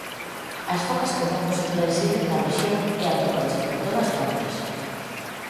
As focas comúns residen na rexión e atópanse por todas partes.